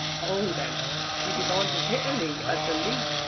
"Oh then, she be gone to Hitaly at the least."